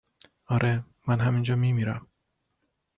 اره من همین جا می میرم